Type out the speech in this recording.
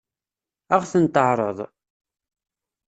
Ad ɣ-ten-teɛṛeḍ?